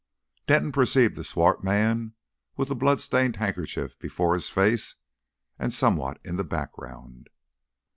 Denton perceived the swart man with a blood stained handkerchief before his face, and somewhat in the background.